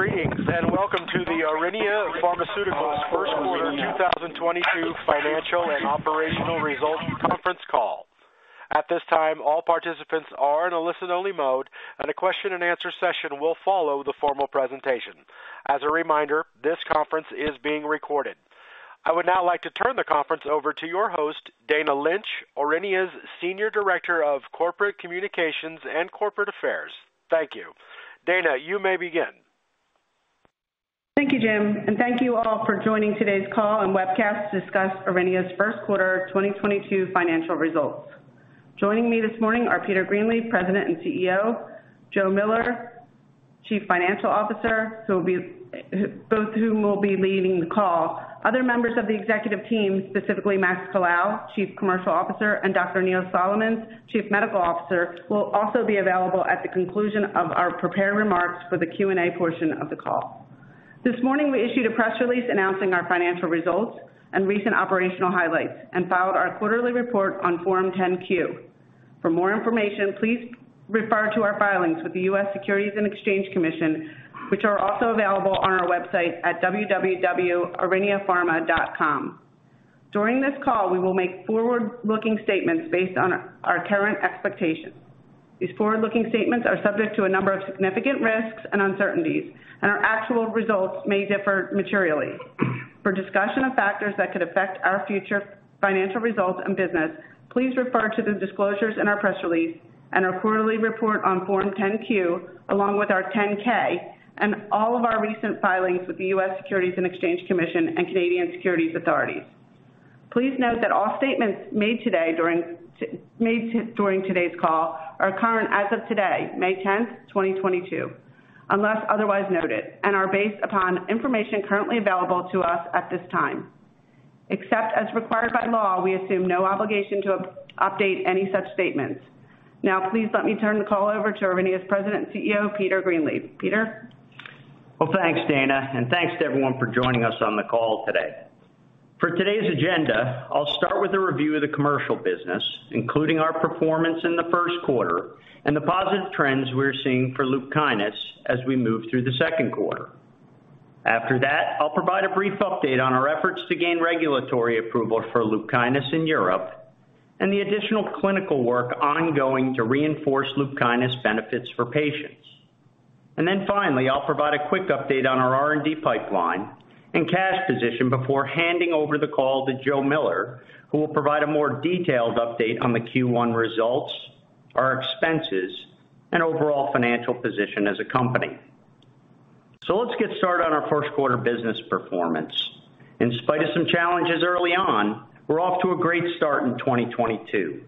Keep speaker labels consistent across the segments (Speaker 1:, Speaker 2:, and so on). Speaker 1: Greetings, and welcome to the Aurinia Pharmaceuticals Q1 2022 financial and operational results conference call. At this time, all participants are in a listen-only mode, and a question-and-answer session will follow the formal presentation. As a reminder, this conference is being recorded. I would now like to turn the conference over to your host, Dana Lynch, Aurinia's Senior Director of Corporate Communications and Corporate Affairs. Thank you. Dana, you may begin.
Speaker 2: Thank you, Jim, and thank you all for joining today's call and webcast to discuss Aurinia's Q1 2022 financial results. Joining me this morning are Peter Greenleaf, President and CEO, Joe Miller, Chief Financial Officer, both of whom will be leading the call. Other members of the executive team, specifically Max Colao, Chief Commercial Officer, and Dr. Neil Solomons, Chief Medical Officer, will also be available at the conclusion of our prepared remarks for the Q&A portion of the call. This morning, we issued a press release announcing our financial results and recent operational highlights and filed our quarterly report on Form 10-Q. For more information, please refer to our filings with the U.S. Securities and Exchange Commission, which are also available on our website at www.auriniapharma.com. During this call, we will make forward-looking statements based on our current expectations. These forward-looking statements are subject to a number of significant risks and uncertainties, and our actual results may differ materially. For discussion of factors that could affect our future financial results and business, please refer to the disclosures in our press release and our quarterly report on Form 10-Q, along with our 10-K and all of our recent filings with the U.S. Securities and Exchange Commission and Canadian Securities Administrators. Please note that all statements made during today's call are current as of today, May 10, 2022, unless otherwise noted, and are based upon information currently available to us at this time. Except as required by law, we assume no obligation to update any such statements. Now please let me turn the call over to Aurinia's President and CEO, Peter Greenleaf. Peter?
Speaker 3: Well, thanks, Dana, and thanks to everyone for joining us on the call today. For today's agenda, I'll start with a review of the commercial business, including our performance in the Q1 and the positive trends we're seeing for Lupkynis as we move through the Q2. After that, I'll provide a brief update on our efforts to gain regulatory approval for Lupkynis in Europe and the additional clinical work ongoing to reinforce Lupkynis benefits for patients. And then finally, I'll provide a quick update on our R&D pipeline and cash position before handing over the call to Joe Miller, who will provide a more detailed update on the Q1 results, our expenses, and overall financial position as a company. Let's get started on our Q1 business performance. In spite of some challenges early on, we're off to a great start in 2022.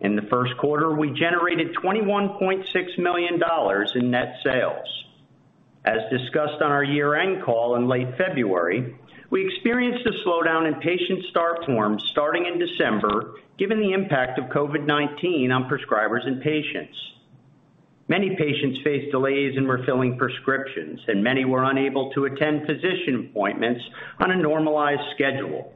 Speaker 3: In the Q1, we generated $21.6 million in net sales. As discussed on our year-end call in late February, we experienced a slowdown in patient start forms starting in December, given the impact of COVID-19 on prescribers and patients. Many patients faced delays in refilling prescriptions, and many were unable to attend physician appointments on a normalized schedule.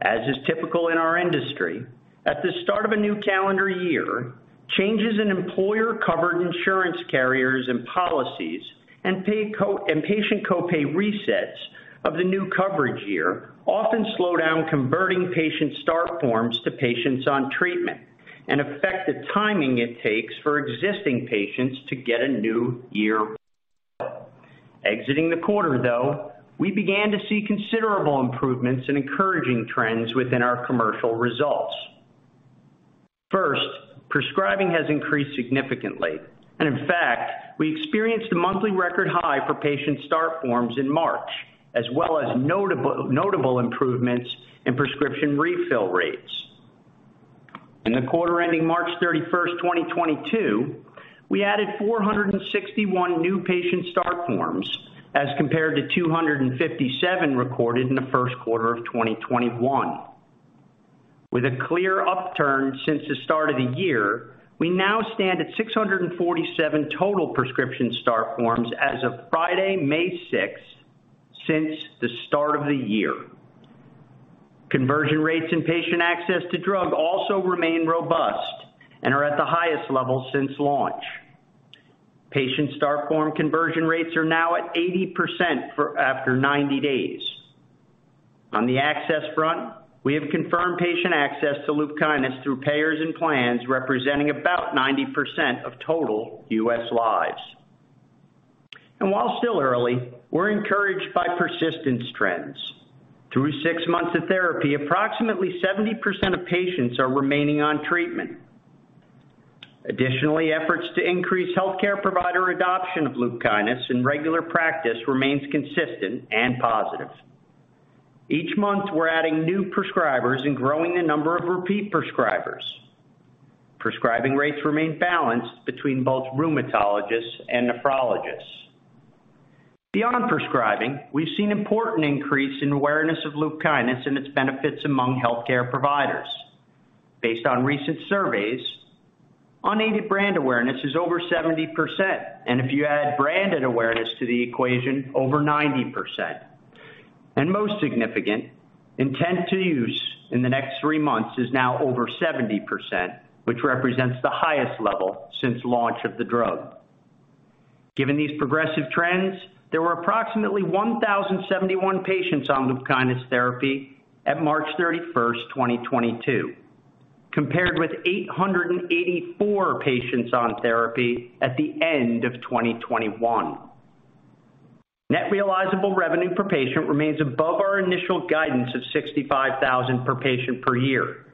Speaker 3: As is typical in our industry, at the start of a new calendar year, changes in employer-covered insurance carriers and policies and patient co-pay resets of the new coverage year often slow down converting patient start forms to patients on treatment and affect the timing it takes for existing patients to get a new year. Exiting the quarter, though, we began to see considerable improvements and encouraging trends within our commercial results. First, prescribing has increased significantly. In fact, we experienced a monthly record high for patient start forms in March, as well as notable improvements in prescription refill rates. In the quarter ending March 31, 2022, we added 461 new patient start forms as compared to 257 recorded in the Q1 of 2021. With a clear upturn since the start of the year, we now stand at 647 total prescription start forms as of Friday, May 6, since the start of the year. Conversion rates and patient access to drug also remain robust and are at the highest level since launch. Patient start form conversion rates are now at 80% after 90 days. On the access front, we have confirmed patient access to LUPKYNIS through payers and plans representing about 90% of total U.S. lives. While still early, we're encouraged by persistence trends. Through six months of therapy, approximately 70% of patients are remaining on treatment. Additionally, efforts to increase healthcare provider adoption of LUPKYNIS in regular practice remains consistent and positive. Each month, we're adding new prescribers and growing the number of repeat prescribers. Prescribing rates remain balanced between both rheumatologists and nephrologists. Beyond prescribing, we've seen important increase in awareness of LUPKYNIS and its benefits among healthcare providers. Based on recent surveys, unaided brand awareness is over 70%, and if you add branded awareness to the equation, over 90%. Most significant, intent to use in the next three months is now over 70%, which represents the highest level since launch of the drug. Given these progressive trends, there were approximately 1,071 patients on the LUPKYNIS therapy at March 31, 2022, compared with 884 patients on therapy at the end of 2021. Net realizable revenue per patient remains above our initial guidance of $65,000 per patient per year.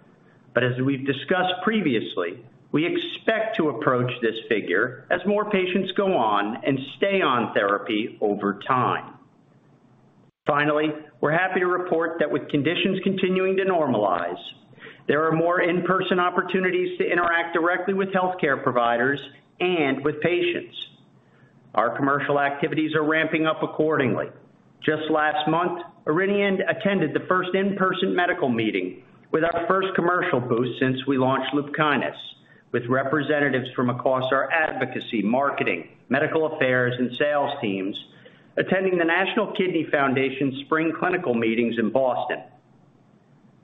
Speaker 3: As we've discussed previously, we expect to approach this figure as more patients go on and stay on therapy over time. Finally, we're happy to report that with conditions continuing to normalize, there are more in-person opportunities to interact directly with healthcare providers and with patients. Our commercial activities are ramping up accordingly. Just last month, Aurinia attended the first in-person medical meeting with our first commercial booth since we launched LUPKYNIS, with representatives from across our advocacy, marketing, medical affairs, and sales teams attending the National Kidney Foundation Spring Clinical Meetings in Boston.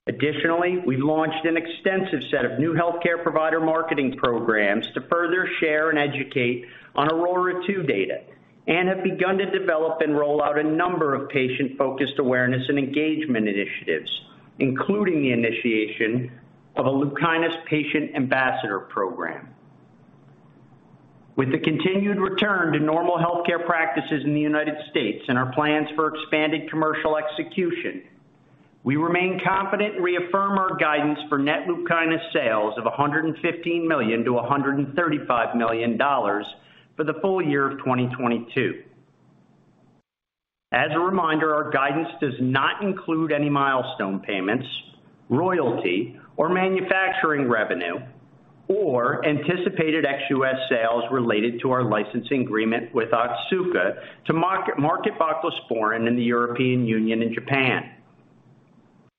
Speaker 3: Additionally, we've launched an extensive set of new healthcare provider marketing programs to further share and educate on AURORA 2 data and have begun to develop and roll out a number of patient-focused awareness and engagement initiatives, including the initiation of a LUPKYNIS patient ambassador program. With the continued return to normal healthcare practices in the United States and our plans for expanded commercial execution, we remain confident and reaffirm our guidance for net LUPKYNIS sales of $115 million to $135 million for the full year of 2022. As a reminder, our guidance does not include any milestone payments, royalty or manufacturing revenue or anticipated ex-US sales related to our licensing agreement with Otsuka to market voclosporin in the European Union and Japan.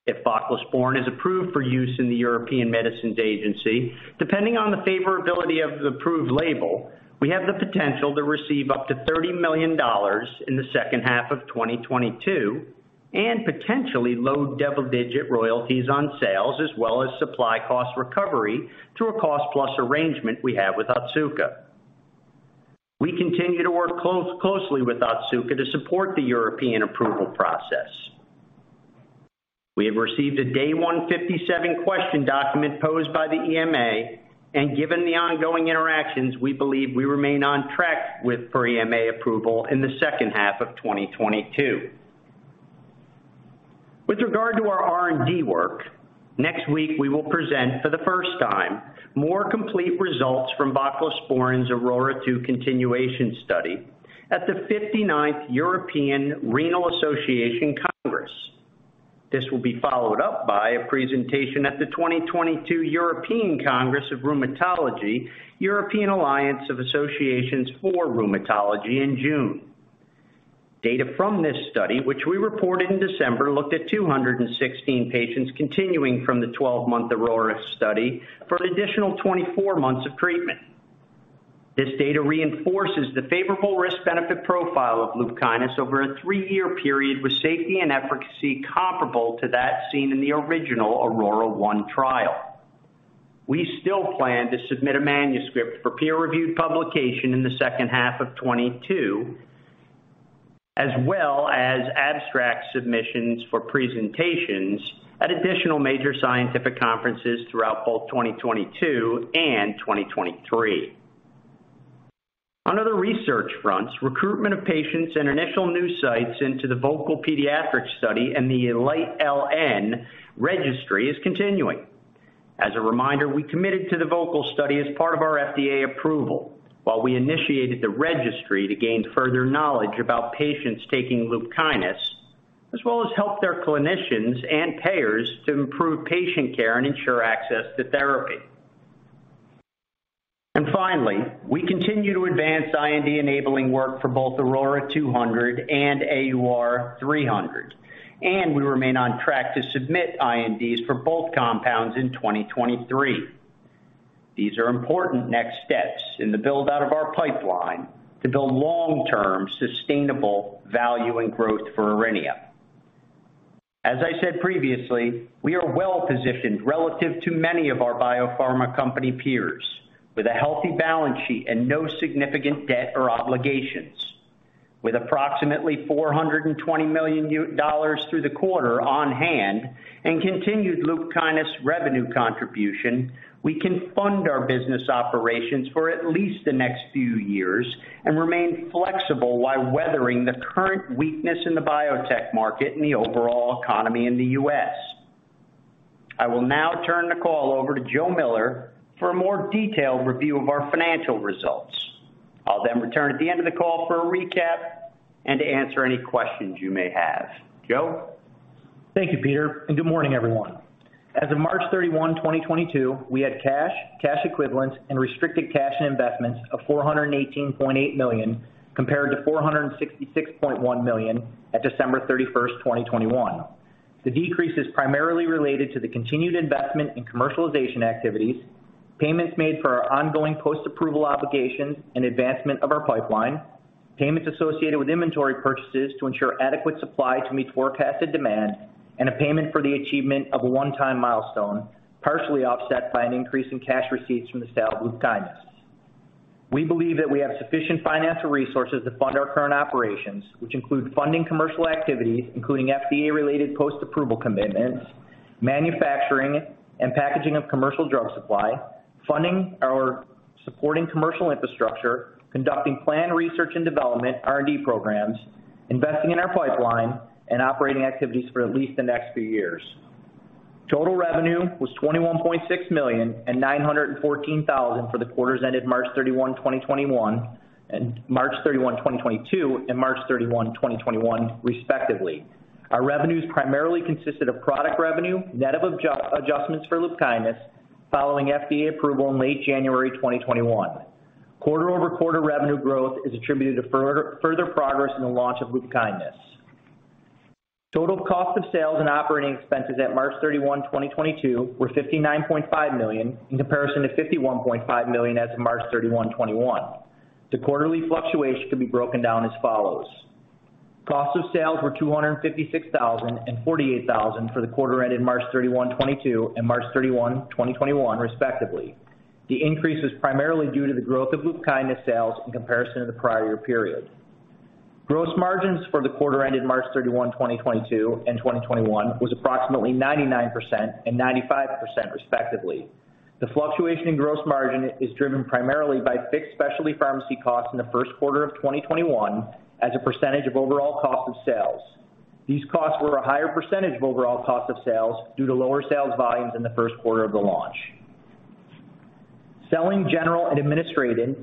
Speaker 3: If voclosporin is approved for use in the European Medicines Agency, depending on the favorability of the approved label, we have the potential to receive up to $30 million in the second half of 2022 and potentially low double-digit royalties on sales as well as supply cost recovery through a cost-plus arrangement we have with Otsuka. We continue to work closely with Otsuka to support the European approval process. We have received a Day 157 question document posed by the EMA, and given the ongoing interactions, we believe we remain on track for EMA approval in the second half of 2022. With regard to our R&D work, next week we will present for the first time more complete results from voclosporin's AURORA 2 continuation study at the 59th European Renal Association Congress. This will be followed up by a presentation at the 2022 European Congress of Rheumatology, European Alliance of Associations for Rheumatology in June. Data from this study, which we reported in December, looked at 216 patients continuing from the 12-month AURORA study for an additional 24 months of treatment. This data reinforces the favorable risk-benefit profile of LUPKYNIS over a three-year period with safety and efficacy comparable to that seen in the original AURORA 1 trial. We still plan to submit a manuscript for peer-reviewed publication in the second half of 2022, as well as abstract submissions for presentations at additional major scientific conferences throughout both 2022 and 2023. On other research fronts, recruitment of patients and initial new sites into the VOCAL pediatric study and the ENLIGHT-LN registry is continuing. As a reminder, we committed to the VOCAL study as part of our FDA approval, while we initiated the registry to gain further knowledge about patients taking LUPKYNIS, as well as help their clinicians and payers to improve patient care and ensure access to therapy. Finally, we continue to advance IND-enabling work for both AUR200 and AUR300, and we remain on track to submit INDs for both compounds in 2023. These are important next steps in the build-out of our pipeline to build long-term sustainable value and growth for Aurinia. As I said previously, we are well positioned relative to many of our biopharma company peers with a healthy balance sheet and no significant debt or obligations. With approximately $420 million through the quarter on hand and continued LUPKYNIS revenue contribution, we can fund our business operations for at least the next few years and remain flexible while weathering the current weakness in the biotech market and the overall economy in the U.S. I will now turn the call over to Joe Miller for a more detailed review of our financial results. I'll then return at the end of the call for a recap and to answer any questions you may have. Joe?
Speaker 4: Thank you, Peter, and good morning, everyone. As of March 31, 2022, we had cash equivalents and restricted cash and investments of $418.8 million, compared to $466.1 million at December 31st, 2021. The decrease is primarily related to the continued investment in commercialization activities, payments made for our ongoing post-approval obligations and advancement of our pipeline, payments associated with inventory purchases to ensure adequate supply to meet forecasted demand, and a payment for the achievement of a one-time milestone, partially offset by an increase in cash receipts from the sale of LUPKYNIS. We believe that we have sufficient financial resources to fund our current operations, which include funding commercial activities, including FDA-related post-approval commitments, manufacturing and packaging of commercial drug supply, funding our supporting commercial infrastructure, conducting planned research and development R&D programs, investing in our pipeline and operating activities for at least the next few years. Total revenue was $21.6 million and $914,000 for the quarters ended March 31, 2021 and March 31, 2022 and March 31, 2021 respectively. Our revenues primarily consisted of product revenue, net of adjustments for LUPKYNIS following FDA approval in late January 2021. Quarter-over-quarter revenue growth is attributed to further progress in the launch of LUPKYNIS. Total cost of sales and operating expenses at March 31, 2022 were $59.5 million, in comparison to $51.5 million as of March 31, 2021. The quarterly fluctuation could be broken down as follows. Cost of sales were $256,000 and $48,000 for the quarter ended March 31, 2022 and March 31, 2021 respectively. The increase is primarily due to the growth of LUPKYNIS sales in comparison to the prior year period. Gross margins for the quarter ended March 31, 2022 and 2021 was approximately 99% and 95% respectively. The fluctuation in gross margin is driven primarily by fixed specialty pharmacy costs in the Q1 of 2021 as a percentage of overall cost of sales. These costs were a higher percentage of overall cost of sales due to lower sales volumes in the Q1 of the launch. Selling, general and administrative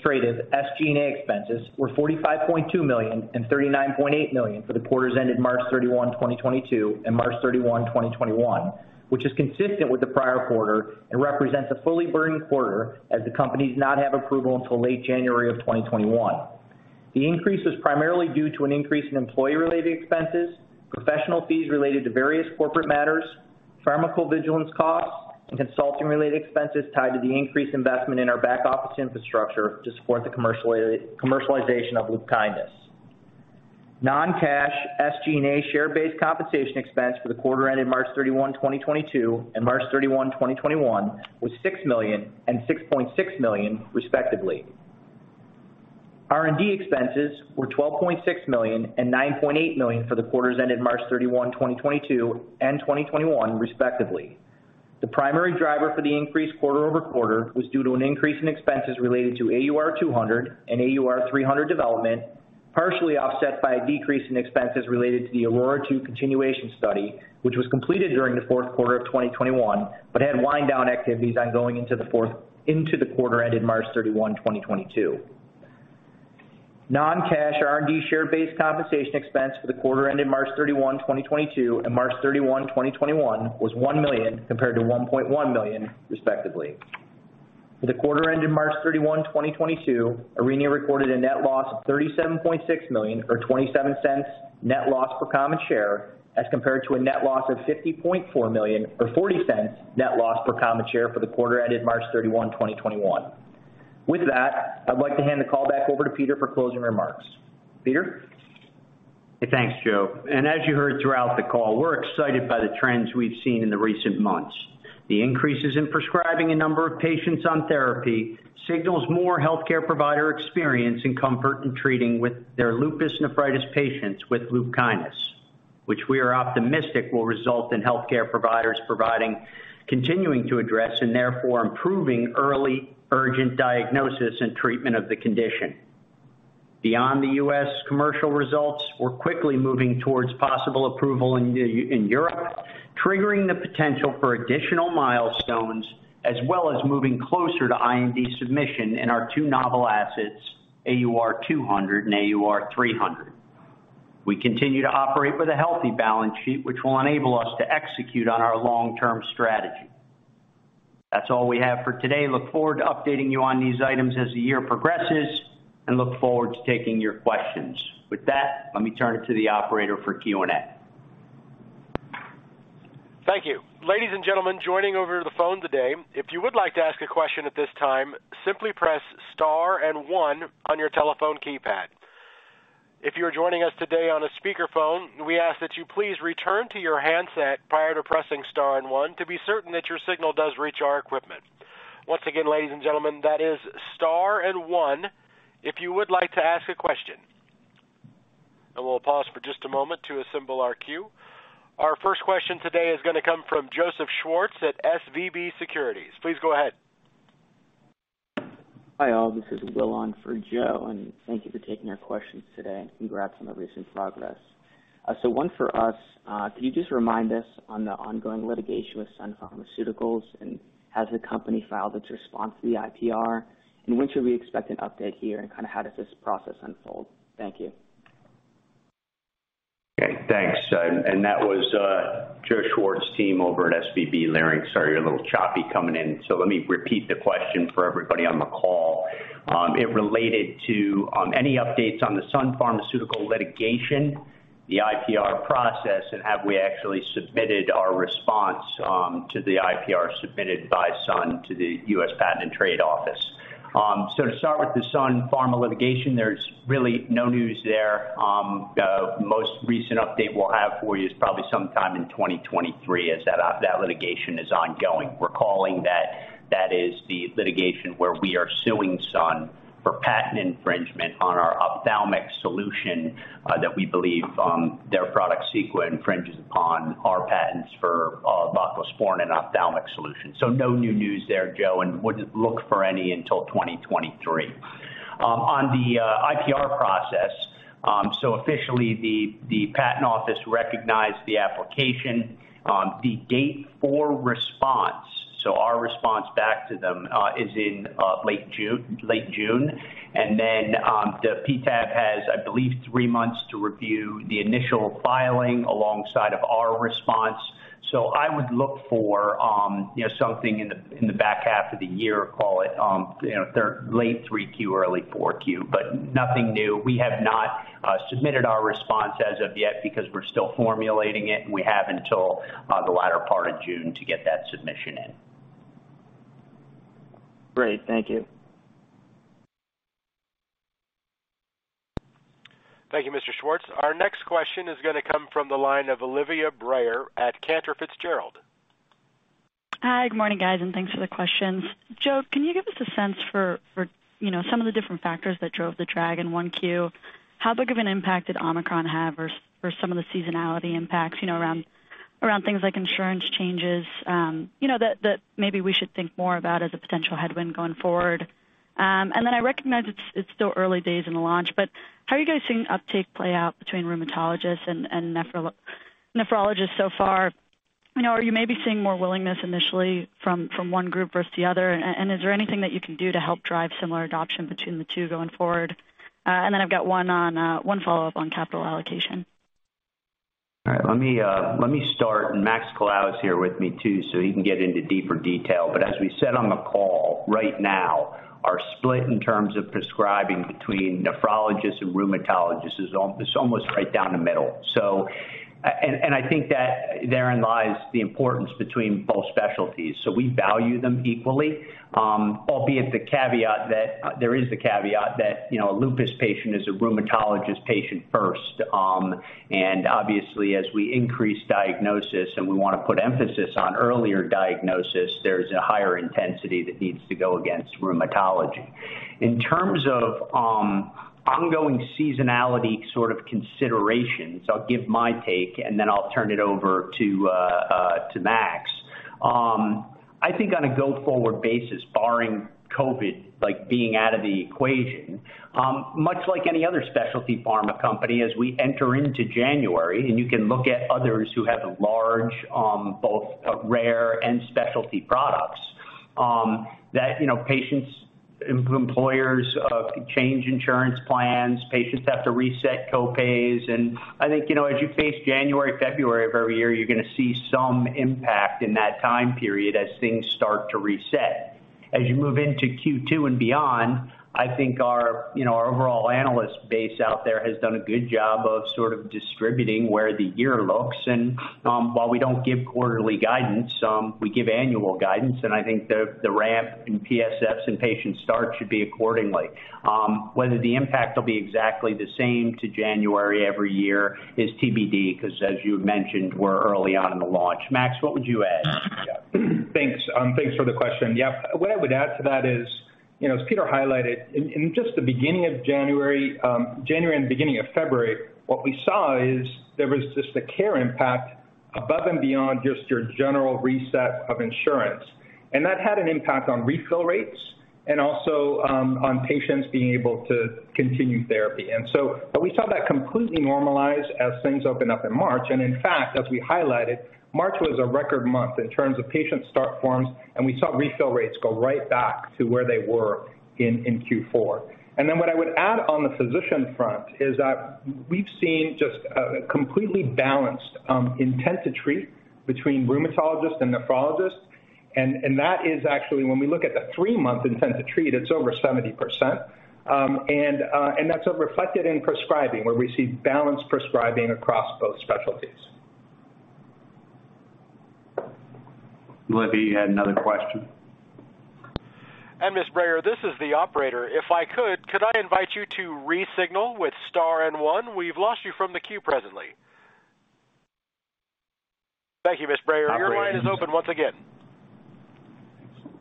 Speaker 4: SG&A expenses were $45.2 million and $39.8 million for the quarters ended March 31, 2022 and March 31, 2021, which is consistent with the prior quarter and represents a fully burning quarter as the company did not have approval until late January 2021. The increase is primarily due to an increase in employee-related expenses, professional fees related to various corporate matters, pharmacovigilance costs, and consulting-related expenses tied to the increased investment in our back office infrastructure to support the commercialization of LUPKYNIS. Non-cash SG&A share-based compensation expense for the quarter ended March 31, 2022 and March 31, 2021 was $6 million and $6.6 million respectively. R&D expenses were $12.6 million and $9.8 million for the quarters ended March 31, 2022 and 2021 respectively. The primary driver for the increased quarter-over-quarter was due to an increase in expenses related to AUR200 and AUR300 development, partially offset by a decrease in expenses related to the AURORA 2 continuation study, which was completed during the Q4 of 2021, but had wind down activities ongoing into the quarter ended March 31, 2022. Non-cash R&D share-based compensation expense for the quarter ended March 31, 2022 and March 31, 2021 was $1 million compared to $1.1 million respectively. For the quarter ended March 31, 2022, Aurinia recorded a net loss of $37.6 million or $0.27 net loss per common share, as compared to a net loss of $50.4 million or $0.40 net loss per common share for the quarter ended March 31, 2021. With that, I'd like to hand the call back over to Peter for closing remarks. Peter?
Speaker 3: Hey, thanks, Joe. As you heard throughout the call, we're excited by the trends we've seen in the recent months. The increases in prescribing a number of patients on therapy signals more healthcare provider experience and comfort in treating their lupus nephritis patients with LUPKYNIS, which we are optimistic will result in healthcare providers providing, continuing to address, and therefore improving early urgent diagnosis and treatment of the condition. Beyond the U.S. commercial results, we're quickly moving towards possible approval in Europe, triggering the potential for additional milestones as well as moving closer to IND submission in our two novel assets, AUR200 and AUR300. We continue to operate with a healthy balance sheet, which will enable us to execute on our long-term strategy. That's all we have for today. Look forward to updating you on these items as the year progresses and look forward to taking your questions. With that, let me turn it to the operator for Q&A.
Speaker 1: Thank you. Ladies and gentlemen, joining over the phone today, if you would like to ask a question at this time, simply press star and one on your telephone keypad. If you're joining us today on a speakerphone, we ask that you please return to your handset prior to pressing star and one to be certain that your signal does reach our equipment. Once again, ladies and gentlemen, that is star and one if you would like to ask a question. We'll pause for just a moment to assemble our queue. Our first question today is gonna come from Joseph Schwartz at SVB Securities. Please go ahead.
Speaker 5: Hi, all. This is Will on for Joe, and thank you for taking our questions today. Congrats on the recent progress. So one for us. Can you just remind us on the ongoing litigation with Sun Pharmaceuticals, and has the company filed its response to the IPR? And when should we expect an update here, and kinda how does this process unfold? Thank you.
Speaker 3: Okay. Thanks. That was Joseph Schwartz's team over at SVB Leerink. Sorry, you're a little choppy coming in, so let me repeat the question for everybody on the call. It related to any updates on the Sun Pharmaceuticals litigation, the IPR process, and have we actually submitted our response to the IPR submitted by Sun to the U.S. Patent and Trademark Office. To start with the Sun Pharma litigation, there's really no news there. The most recent update we'll have for you is probably sometime in 2023 as that litigation is ongoing. Recalling that that is the litigation where we are suing Sun for patent infringement on our ophthalmic solution that we believe their product, CEQUA, infringes upon our patents for voclosporin and ophthalmic solutions. No new news there, Joe, and wouldn't look for any until 2023. On the IPR process, officially the patent office recognized the application. The date for response, our response back to them, is in late June. Then, the PTAB has, I believe, three months to review the initial filing alongside of our response. I would look for, you know, something in the back half of the year, call it, you know, late 3Q, early 4Q. Nothing new. We have not submitted our response as of yet because we're still formulating it. We have until the latter part of June to get that submission in.
Speaker 5: Great. Thank you.
Speaker 1: Thank you, Mr. Schwartz. Our next question is gonna come from the line of Olivia Brayer at Cantor Fitzgerald.
Speaker 6: Hi, good morning, guys, and thanks for the questions. Joe, can you give us a sense for you know some of the different factors that drove the drag in 1Q? How big of an impact did Omicron have or some of the seasonality impacts you know around things like insurance changes you know that maybe we should think more about as a potential headwind going forward? I recognize it's still early days in the launch, but how are you guys seeing uptake play out between rheumatologists and nephrologists so far? Are you maybe seeing more willingness initially from one group versus the other? Is there anything that you can do to help drive similar adoption between the two going forward? I've got one follow-up on capital allocation.
Speaker 3: All right. Let me start, and Max Colao is here with me too, so he can get into deeper detail. As we said on the call, right now, our split in terms of prescribing between nephrologists and rheumatologists is almost right down the middle. I think that therein lies the importance between both specialties. We value them equally, albeit the caveat that, you know, a lupus patient is a rheumatologist patient first. Obviously, as we increase diagnosis and we wanna put emphasis on earlier diagnosis, there's a higher intensity that needs to go against rheumatology. In terms of ongoing seasonality sort of considerations, I'll give my take, and then I'll turn it over to Max Colao. I think on a go-forward basis, barring COVID, like, being out of the equation, much like any other specialty pharma company, as we enter into January, and you can look at others who have a large, both, rare and specialty products, that, you know, patients, employers change insurance plans, patients have to reset co-pays. I think, you know, as you face January, February of every year, you're gonna see some impact in that time period as things start to reset. As you move into Q2 and beyond, I think our, you know, overall analyst base out there has done a good job of sort of distributing where the year looks. While we don't give quarterly guidance, we give annual guidance, and I think the ramp in PSFs and patient start should be accordingly. Whether the impact will be exactly the same to January every year is TBD 'cause as you had mentioned, we're early on in the launch. Max, what would you add?
Speaker 7: Thanks. Thanks for the question. Yeah. What I would add to that is, you know, as Peter highlighted, in just the beginning of January and the beginning of February, what we saw is there was just a COVID impact above and beyond just your general reset of insurance. That had an impact on refill rates and also on patients being able to continue therapy. But we saw that completely normalize as things opened up in March. In fact, as we highlighted, March was a record month in terms of patient start forms, and we saw refill rates go right back to where they were in Q4. Then what I would add on the physician front is that we've seen just a completely balanced intent to treat between rheumatologists and nephrologists. That is actually when we look at the three-month intent to treat, it's over 70%. That's reflected in prescribing, where we see balanced prescribing across both specialties.
Speaker 3: Olivia, you had another question.
Speaker 1: Ms. Brayer, this is the operator. If I could I invite you to re-signal with star and one? We've lost you from the queue presently. Thank you, Ms. Brayer. Your line is open once again.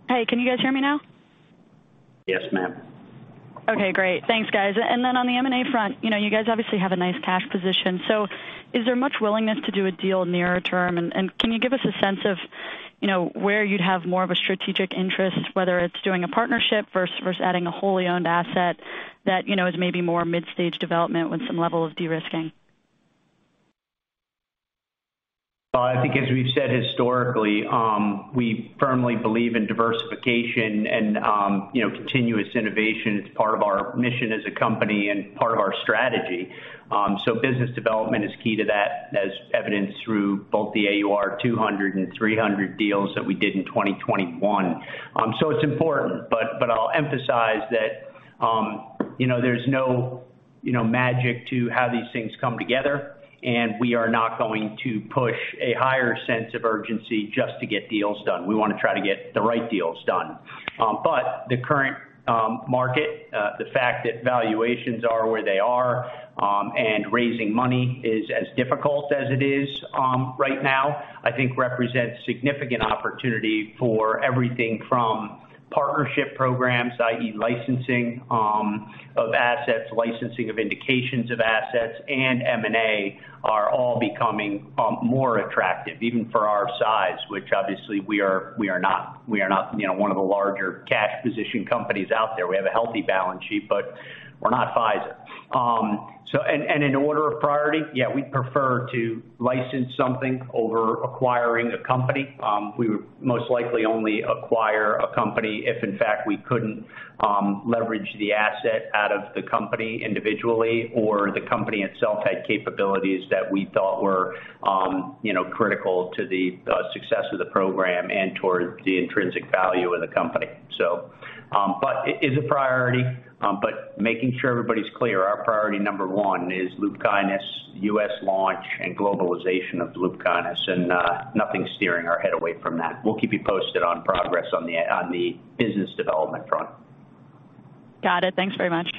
Speaker 6: Hey, can you guys hear me now?
Speaker 3: Yes, ma'am.
Speaker 6: Okay, great. Thanks, guys. Then on the M&A front, you know, you guys obviously have a nice cash position. Is there much willingness to do a deal near term? Can you give us a sense of, you know, where you'd have more of a strategic interest, whether it's doing a partnership versus adding a wholly owned asset that, you know, is maybe more mid-stage development with some level of de-risking?
Speaker 3: I think as we've said historically, we firmly believe in diversification and, you know, continuous innovation. It's part of our mission as a company and part of our strategy. Business development is key to that, as evidenced through both the AUR200 and AUR300 deals that we did in 2021. It's important, but I'll emphasize that, you know, there's no, you know, magic to how these things come together, and we are not going to push a higher sense of urgency just to get deals done. We wanna try to get the right deals done. The current market, the fact that valuations are where they are, and raising money is as difficult as it is right now, I think represents significant opportunity for everything from partnership programs, i.e., licensing of assets, licensing of indications of assets, and M&A are all becoming more attractive even for our size, which obviously we are not, you know, one of the larger cash position companies out there. We have a healthy balance sheet, but we're not Pfizer. In order of priority, yeah, we'd prefer to license something over acquiring a company. We would most likely only acquire a company if in fact we couldn't leverage the asset out of the company individually, or the company itself had capabilities that we thought were, you know, critical to the success of the program and towards the intrinsic value of the company. But it is a priority, but making sure everybody's clear, our priority number one is LUPKYNIS, U.S. launch and globalization of LUPKYNIS, and nothing's steering our head away from that. We'll keep you posted on progress on the business development front.
Speaker 6: Got it. Thanks very much.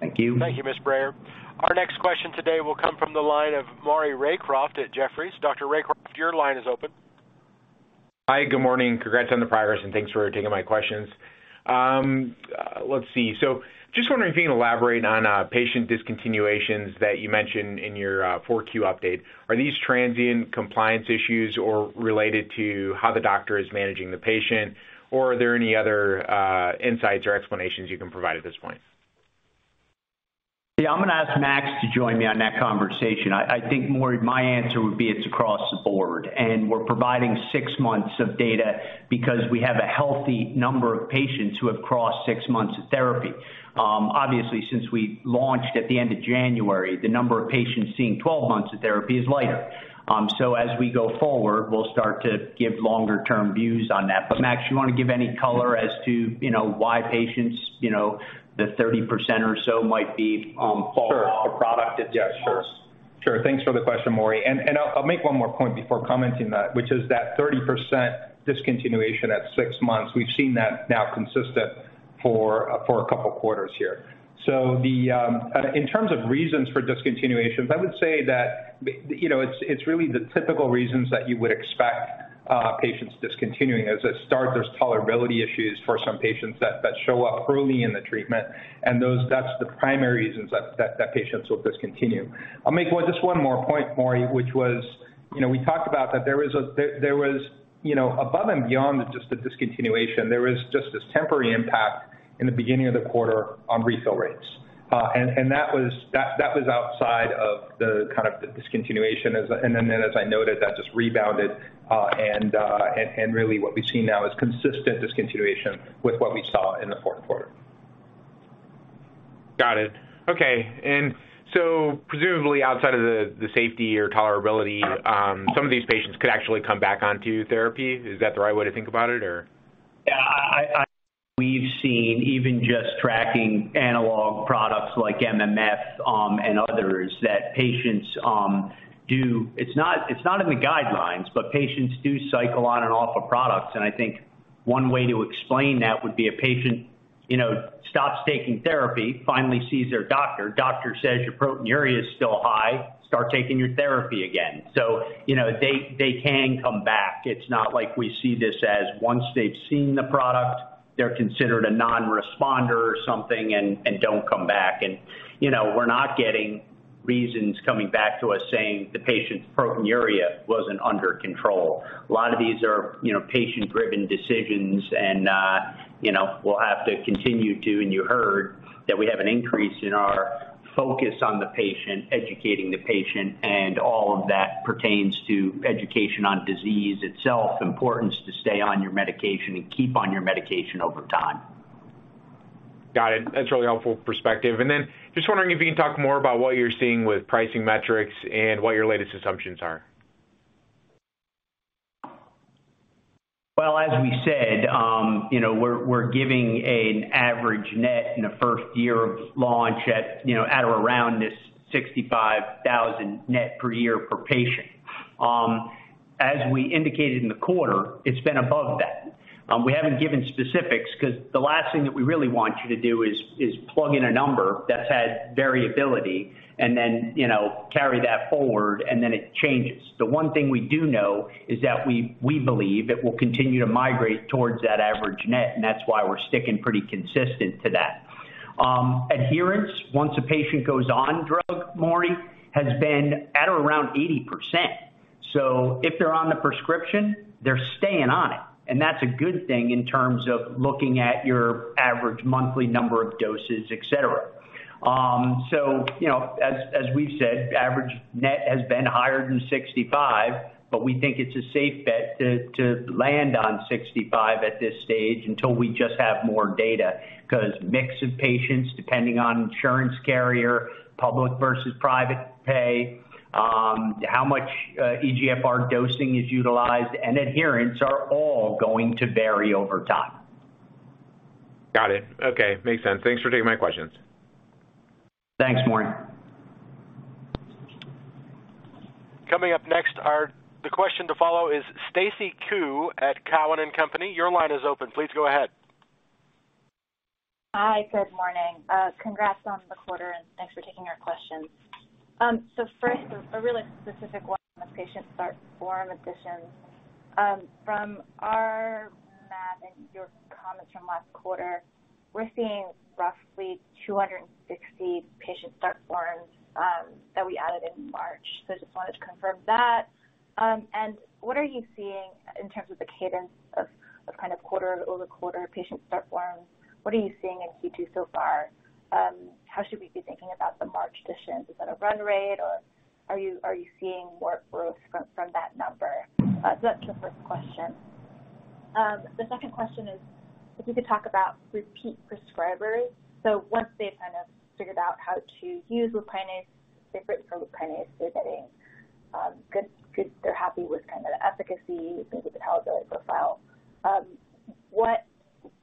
Speaker 3: Thank you.
Speaker 1: Thank you, Ms. Brayer. Our next question today will come from the line of Maury Raycroft at Jefferies. Dr. Raycroft, your line is open.
Speaker 8: Hi, good morning. Congrats on the progress and thanks for taking my questions. Let's see. Just wondering if you can elaborate on patient discontinuations that you mentioned in your 4Q update. Are these transient compliance issues or related to how the doctor is managing the patient? Or are there any other insights or explanations you can provide at this point?
Speaker 3: Yeah. I'm gonna ask Max to join me on that conversation. I think, Maury, my answer would be it's across the board, and we're providing six months of data because we have a healthy number of patients who have crossed six months of therapy. Obviously, since we launched at the end of January, the number of patients seeing 12 months of therapy is lighter. As we go forward, we'll start to give longer term views on that. Max, you wanna give any color as to, you know, why patients, you know, the 30% or so might be fall off the product at six months.
Speaker 7: Sure. Thanks for the question, Maury. I'll make one more point before commenting that, which is that 30% discontinuation at six months. We've seen that now consistent for a couple of quarters here. In terms of reasons for discontinuations, I would say that it's really the typical reasons that you would expect, patients discontinuing. As a start, there's tolerability issues for some patients that show up early in the treatment, and that's the primary reasons that patients will discontinue. I'll make just one more point, Maury, which was we talked about that there was, above and beyond just the discontinuation, there was just this temporary impact in the beginning of the quarter on refill rates. That was outside of the kind of the discontinuation. As I noted, that just rebounded, and really what we've seen now is consistent discontinuation with what we saw in the fourth quarter.
Speaker 8: Got it. Okay. Presumably outside of the safety or tolerability, some of these patients could actually come back onto therapy. Is that the right way to think about it or?
Speaker 3: Yeah. We've seen even just tracking analog products like MMF, and others that patients do. It's not in the guidelines, but patients do cycle on and off of products. I think one way to explain that would be a patient, you know, stops taking therapy, finally sees their doctor. Doctor says, "Your proteinuria is still high. Start taking your therapy again." You know, they can come back. It's not like we see this as once they've seen the product, they're considered a non-responder or something and don't come back. You know, we're not getting reasons coming back to us saying the patient's proteinuria wasn't under control. A lot of these are, you know, patient-driven decisions and, you know, we'll have to continue to. You heard that we have an increase in our focus on the patient, educating the patient, and all of that pertains to education on disease itself, importance to stay on your medication and keep on your medication over time.
Speaker 8: Got it. That's really helpful perspective. Just wondering if you can talk more about what you're seeing with pricing metrics and what your latest assumptions are.
Speaker 3: Well, as we said, you know, we're giving an average net in the first year of launch at, you know, at around $65,000 net per year per patient. As we indicated in the quarter, it's been above that. We haven't given specifics 'cause the last thing that we really want you to do is plug in a number that's had variability and then, you know, carry that forward and then it changes. The one thing we do know is that we believe it will continue to migrate towards that average net, and that's why we're sticking pretty consistent to that. Adherence, once a patient goes on drug, Maury, has been at around 80%. If they're on the prescription, they're staying on it, and that's a good thing in terms of looking at your average monthly number of doses, etc. You know, as we've said, average net has been higher than $65, but we think it's a safe bet to land on $65 at this stage until we just have more data. 'Cause mix of patients, depending on insurance carrier, public versus private pay, how much eGFR dosing is utilized and adherence are all going to vary over time.
Speaker 8: Got it. Okay. Makes sense. Thanks for taking my questions.
Speaker 3: Thanks, Maury.
Speaker 1: Coming up next, the question to follow is Stacy Ku at Cowen and Company. Your line is open. Please go ahead.
Speaker 9: Hi. Good morning. Congrats on the quarter, and thanks for taking our questions. First, a really specific one on the patient start form additions. From our math and your comments from last quarter, we're seeing roughly 260 patient start forms that we added in March. Just wanted to confirm that. What are you seeing in terms of the cadence of kind of quarter-over-quarter patient start forms? What are you seeing in Q2 so far? How should we be thinking about the March additions? Is that a run rate or are you seeing more growth from that number? That's the first question. The second question is if you could talk about repeat prescribers. Once they've kind of figured out how to use LUPKYNIS, benefit from LUPKYNIS, they're getting good, they're happy with kind of the efficacy, maybe the tolerability profile, what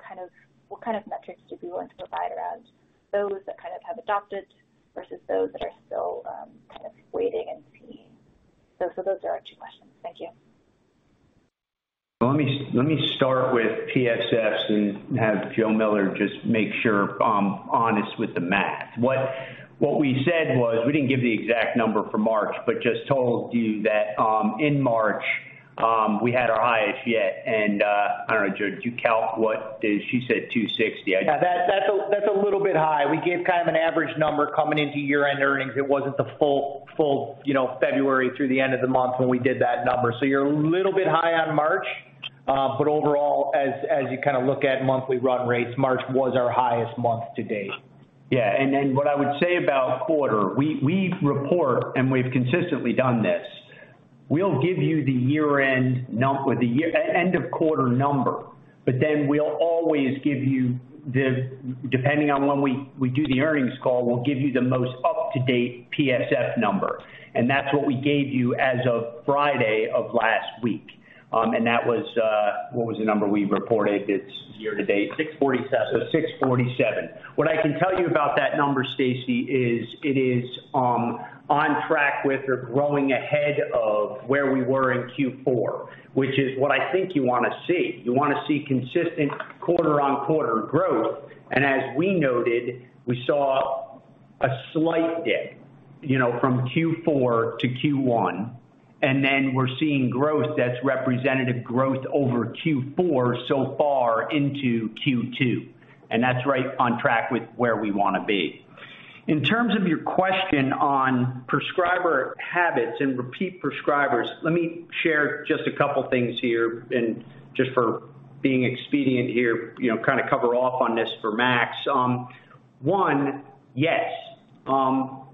Speaker 9: kind of metrics would you be willing to provide around those that kind of have adopted versus those that are still kind of waiting and seeing? Those are our two questions. Thank you.
Speaker 3: Let me start with PSFs and have Joe Miller just make sure if I'm right with the math. What we said was we didn't give the exact number for March, but just told you that in March we had our highest yet. I don't know, Joe, did you calc what she said 260.
Speaker 4: Yeah, that's a little bit high. We gave kind of an average number coming into year-end earnings. It wasn't the full, you know, February through the end of the month when we did that number. You're a little bit high on March. Overall, as you kind of look at monthly run rates, March was our highest month to date.
Speaker 3: Yeah. Then what I would say about quarter, we report and we've consistently done this. We'll give you the year-end or the end of quarter number, but then we'll always give you the, depending on when we do the earnings call, we'll give you the most up-to-date PSF number, and that's what we gave you as of Friday of last week. That was. What was the number we reported? It's year to date.
Speaker 4: 6:47.
Speaker 3: $647. What I can tell you about that number, Stacy, is it is on track with or growing ahead of where we were in Q4, which is what I think you wanna see. You wanna see consistent quarter-on-quarter growth, and as we noted, we saw a slight dip, you know, from Q4 to Q1, and then we're seeing growth that's representative growth over Q4 so far into Q2, and that's right on track with where we wanna be. In terms of your question on prescriber habits and repeat prescribers, let me share just a couple things here and just for being expedient here, you know, kinda cover off on this for Max. One, yes,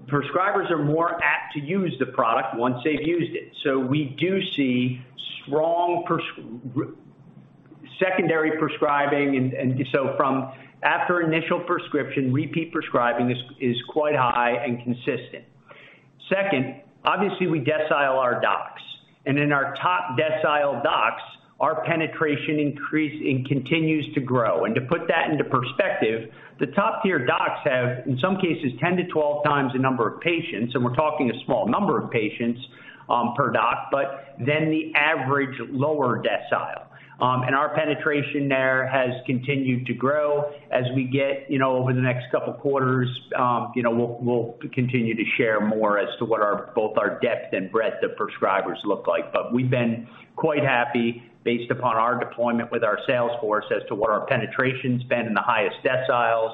Speaker 3: prescribers are more apt to use the product once they've used it. We do see strong secondary prescribing and so from after initial prescription, repeat prescribing is quite high and consistent. Second, obviously we decile our docs, and in our top decile docs, our penetration increase and continues to grow. To put that into perspective, the top-tier docs have, in some cases, 10-12 times the number of patients, and we're talking a small number of patients per doc, but more than the average lower decile. Our penetration there has continued to grow. As we get, you know, over the next couple quarters, you know, we'll continue to share more as to what our, both our depth and breadth of prescribers look like. We've been quite happy based upon our deployment with our sales force as to what our penetration's been in the highest deciles,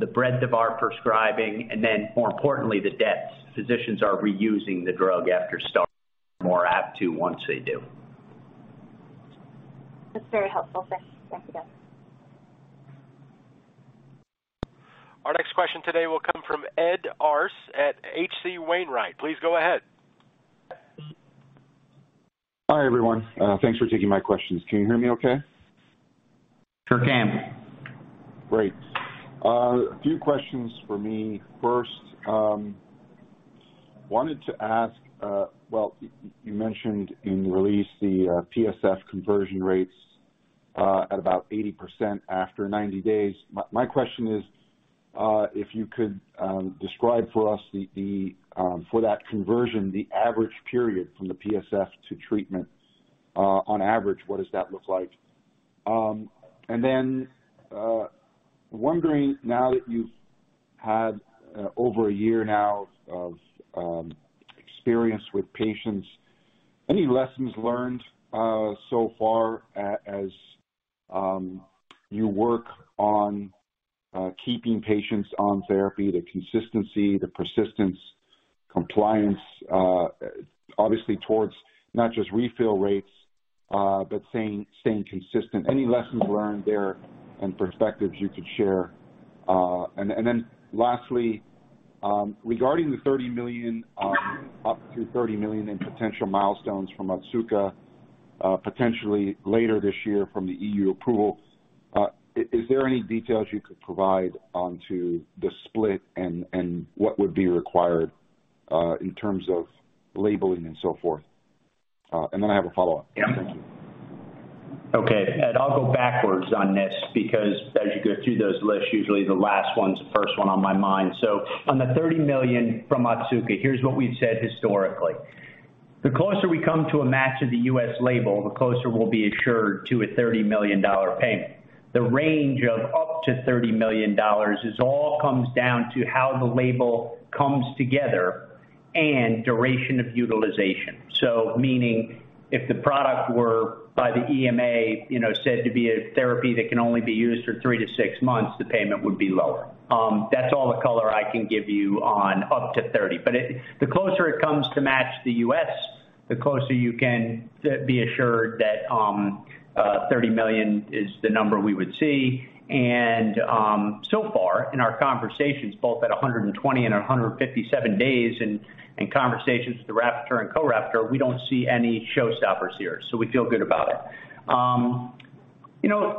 Speaker 3: the breadth of our prescribing, and then more importantly, the depth. Physicians are reusing the drug after start, more apt to once they do.
Speaker 9: That's very helpful. Thanks. Thank you, guys.
Speaker 1: Our next question today will come from Ed Arce at H.C. Wainwright. Please go ahead.
Speaker 10: Hi, everyone. Thanks for taking my questions. Can you hear me okay?
Speaker 3: Sure can.
Speaker 10: Great. A few questions for me. First, wanted to ask, well you mentioned in the release the PSF conversion rates at about 80% after 90 days. My question is, if you could describe for us, for that conversion, the average period from the PSF to treatment on average, what does that look like? Wondering now that you've had over a year now of experience with patients, any lessons learned so far as you work on keeping patients on therapy, the consistency, the persistence, compliance, obviously towards not just refill rates, but staying consistent? Any lessons learned there and perspectives you could share? Lastly, regarding the $30 million, up to $30 million in potential milestones from Otsuka, potentially later this year from the EU approval, is there any details you could provide onto the split and what would be required in terms of labeling and so forth? I have a follow-up.
Speaker 3: Yeah.
Speaker 10: Thank you.
Speaker 3: Okay. Ed, I'll go backwards on this because as you go through those lists, usually the last one's the first one on my mind. On the $30 million from Otsuka, here's what we've said historically. The closer we come to a match of the U.S. label, the closer we'll be assured to a $30 million payment. The range of up to $30 million it all comes down to how the label comes together and duration of utilization. Meaning if the product were approved by the EMA, you know, said to be a therapy that can only be used for three-six months, the payment would be lower. That's all the color I can give you on up to $30 million. The closer it comes to match the US, the closer you can be assured that 30 million is the number we would see. So far in our conversations, both at 120 and 157 days in conversations with the Rapporteur and co-Rapporteur, we don't see any showstoppers here. We feel good about it. You know,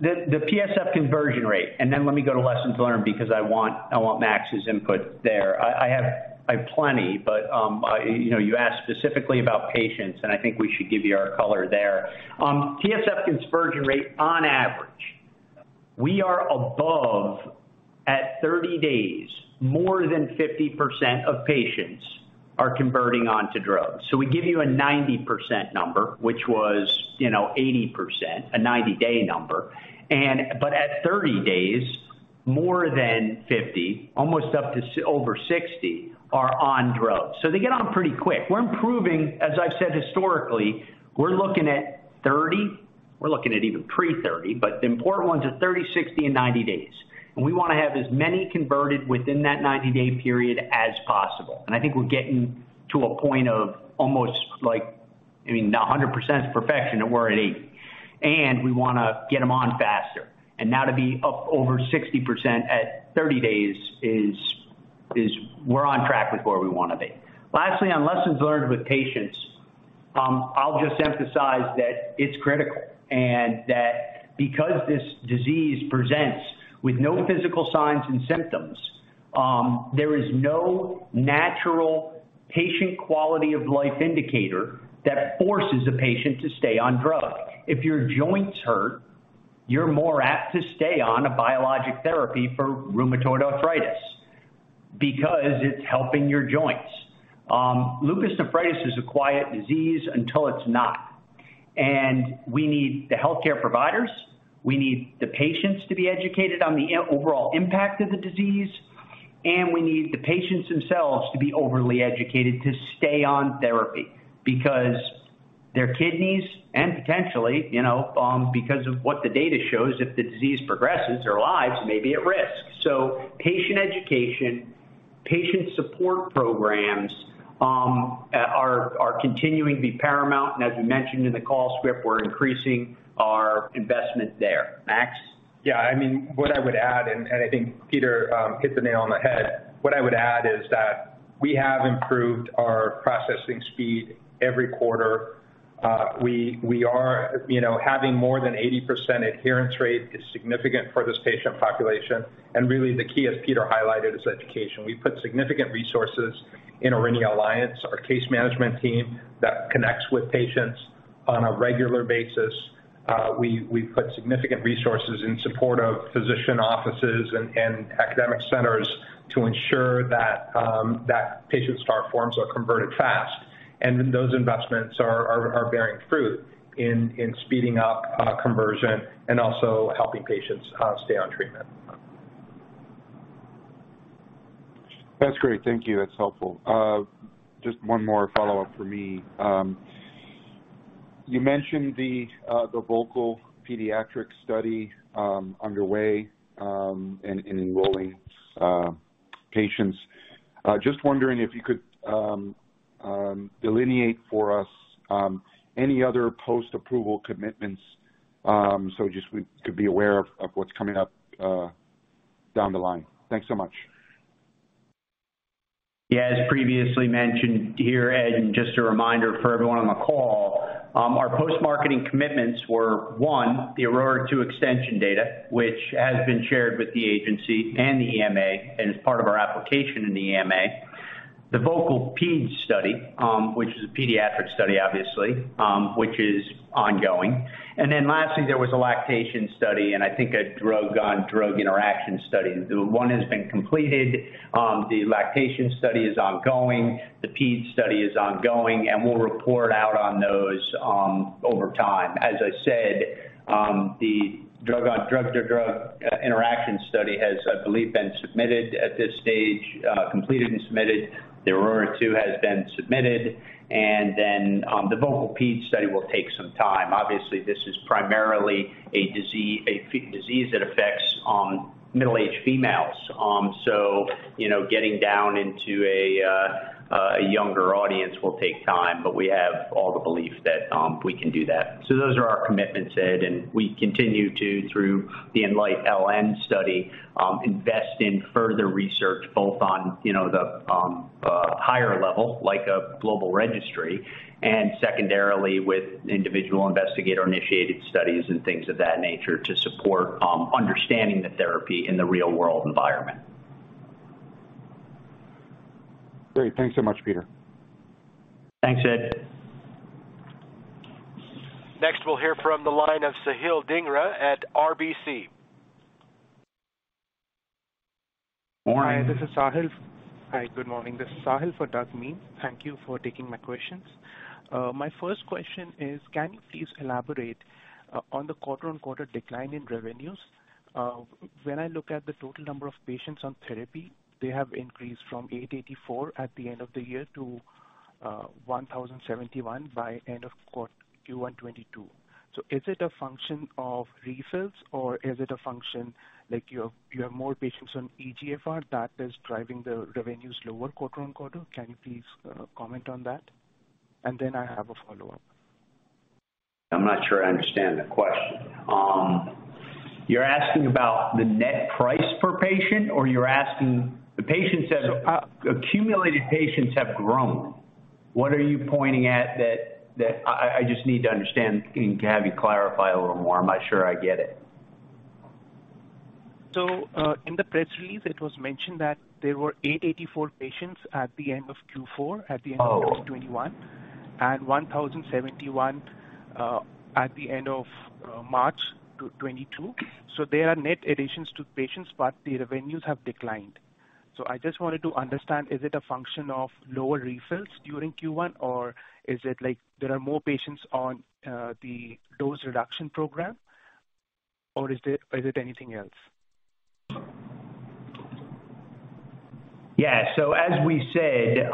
Speaker 3: the PSF conversion rate, and then let me go to lessons learned because I want Max's input there. I have plenty, but you know, you asked specifically about patients, and I think we should give you our color there. PSF conversion rate on average, we are above at 30 days, more than 50% of patients are converting onto drug. We give you a 90% number, which was, you know, 80%, a 90-day number. At 30 days, more than 50, almost up to over 60 are on drug. They get on pretty quick. We're improving, as I've said historically, we're looking at 30. We're looking at even pre-30, but the important ones are 30, 60, and 90 days. We wanna have as many converted within that 90-day period as possible. I think we're getting to a point of almost like, I mean, 100% is perfection, and we're at 80%. We wanna get them on faster. Now to be up over 60% at 30 days is we're on track with where we wanna be. Lastly, on lessons learned with patients, I'll just emphasize that it's critical and that because this disease presents with no physical signs and symptoms, there is no natural patient quality of life indicator that forces a patient to stay on drug. If your joints hurt, you're more apt to stay on a biologic therapy for rheumatoid arthritis because it's helping your joints. Lupus nephritis is a quiet disease until it's not. We need the healthcare providers, we need the patients to be educated on the overall impact of the disease, and we need the patients themselves to be overly educated to stay on therapy because their kidneys and potentially, you know, because of what the data shows, if the disease progresses, their lives may be at risk. Patient education, patient support programs are continuing to be paramount. As we mentioned in the call script, we're increasing our investment there. Max.
Speaker 7: Yeah. I mean, what I would add, and I think Peter hit the nail on the head. What I would add is that we have improved our processing speed every quarter. We are. You know, having more than 80% adherence rate is significant for this patient population. Really the key, as Peter highlighted, is education. We put significant resources in Aurinia Alliance, our case management team that connects with patients on a regular basis. We put significant resources in support of physician offices and academic centers to ensure that patient start forms are converted fast. Those investments are bearing fruit in speeding up conversion and also helping patients stay on treatment.
Speaker 10: That's great. Thank you. That's helpful. Just one more follow-up for me. You mentioned the VOCAL pediatric study underway and enrolling patients. Just wondering if you could delineate for us any other post-approval commitments, so just we could be aware of what's coming up down the line. Thanks so much.
Speaker 3: Yeah. As previously mentioned here, Ed, and just a reminder for everyone on the call, our post-marketing commitments were, one, the AURORA-2 extension data, which has been shared with the agency and the EMA, and is part of our application in the EMA. The VOCAL Ped study, which is a pediatric study, obviously, which is ongoing. Then lastly, there was a lactation study and I think a drug-drug interaction study. The one has been completed. The lactation study is ongoing. The Ped study is ongoing, and we'll report out on those, over time. As I said, the drug-drug interaction study has, I believe, been completed and submitted at this stage. The AURORA-2 has been submitted, and then, the VOCAL Ped study will take some time. Obviously, this is primarily a disease that affects middle-aged females. You know, getting down into a younger audience will take time, but we have all the belief that we can do that. Those are our commitments, Ed, and we continue to, through the ENLIGHT-LN study, invest in further research both on, you know, the higher level, like a global registry, and secondarily with individual investigator-initiated studies and things of that nature to support understanding the therapy in the real-world environment.
Speaker 10: Great. Thanks so much, Peter.
Speaker 3: Thanks, Ed.
Speaker 1: Next, we'll hear from the line of Sahil Dhingra at RBC.
Speaker 3: Morning.
Speaker 11: Hi, this is Sahil. Hi, good morning. This is Sahil for Douglas Miehm. Thank you for taking my questions. My first question is, can you please elaborate on the quarter-over-quarter decline in revenues? When I look at the total number of patients on therapy, they have increased from 884 at the end of the year to 1,071 by end of Q1 2022. Is it a function of refills, or is it a function like you have more patients on eGFR that is driving the revenues lower quarter-over-quarter? Can you please comment on that? Then I have a follow-up.
Speaker 3: I'm not sure I understand the question. You're asking about the net price per patient, or you're asking. The patients have accumulated patients have grown. What are you pointing at that I just need to understand and to have you clarify a little more. I'm not sure I get it.
Speaker 11: In the press release, it was mentioned that there were 884 patients at the end of Q4, at the end of 2021.
Speaker 3: Oh.
Speaker 11: 1,071 at the end of March 2022. There are net additions to patients, but the revenues have declined. I just wanted to understand, is it a function of lower refills during Q1, or is it like there are more patients on the dose reduction program, or is it anything else?
Speaker 3: Yeah. As we said,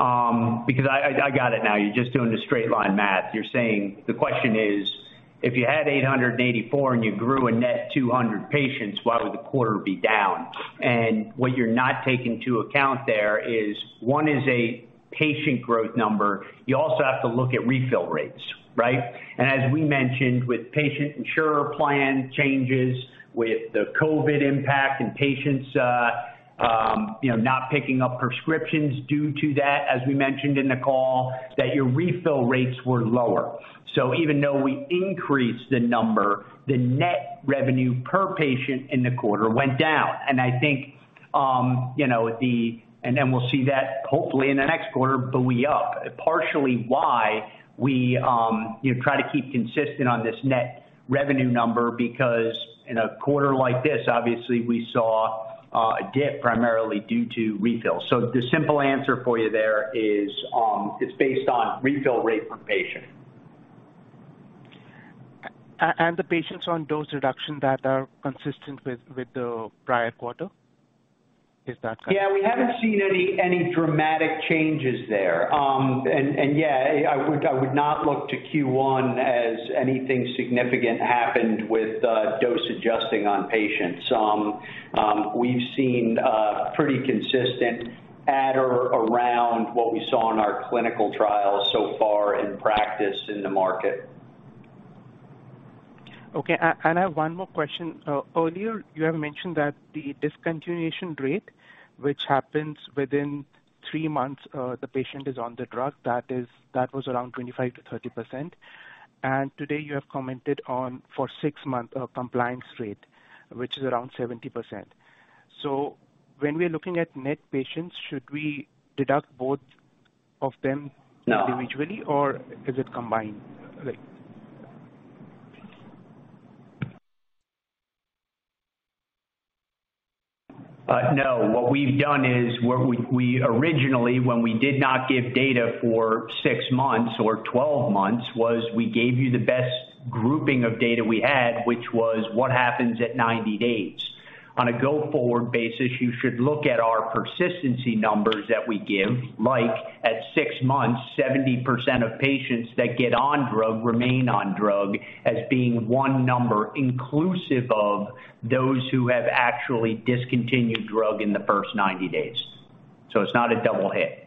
Speaker 3: because I got it now. You're just doing the straight line math. You're saying the question is, if you had 884 and you grew a net 200 patients, why would the quarter be down? What you're not taking into account there is, one is a patient growth number. You also have to look at refill rates, right? As we mentioned, with patient insurance plan changes, with the COVID impact and patients, you know, not picking up prescriptions due to that, as we mentioned in the call, that your refill rates were lower. Even though we increased the number, the net revenue per patient in the quarter went down. I think, you know, the. Then we'll see that hopefully in the next quarter, but we up. Partially why we, you know, try to keep consistent on this net revenue number because in a quarter like this, obviously we saw a dip primarily due to refills. The simple answer for you there is, it's based on refill rate per patient.
Speaker 11: The patients on dose reduction that are consistent with the prior quarter, is that correct?
Speaker 3: Yeah, we haven't seen any dramatic changes there. Yeah, I would not look to Q1 as anything significant happened with dose adjusting on patients. We've seen pretty consistent at or around what we saw in our clinical trials so far in practice in the market.
Speaker 11: Okay. I have one more question. Earlier you have mentioned that the discontinuation rate, which happens within three months, the patient is on the drug, that is, that was around 25%-30%. Today you have commented on for six months, compliance rate, which is around 70%. When we're looking at net patients, should we deduct both of them?
Speaker 3: No.
Speaker 11: Individually or is it combined? Like
Speaker 3: No. What we've done is we originally, when we did not give data for six months or 12 months, was we gave you the best grouping of data we had, which was what happens at 90 days. On a go-forward basis, you should look at our persistency numbers that we give. Like at six months, 70% of patients that get on drug remain on drug as being one number inclusive of those who have actually discontinued drug in the first 90 days. It's not a double hit.